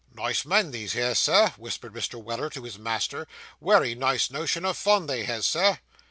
'Nice men these here, Sir,' whispered Mr. Weller to his master; 'wery nice notion of fun they has, Sir.